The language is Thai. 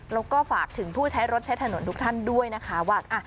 แล้วก็ฝากถึงผู้ใช้รถใช้ถนนทุกท่านด้วยนะคะว่า